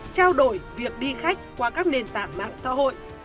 trao đổi việc đi khách qua các nền tảng mạng xã hội